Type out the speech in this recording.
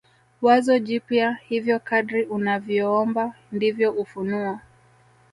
wazo jipya Hivyo kadri unavyoomba ndivyo ufunuo